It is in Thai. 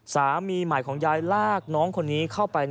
สามีใหม่ของยายลากน้องคนนี้เข้าไป